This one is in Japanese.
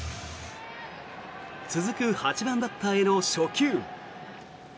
続く８番バッターへの初球。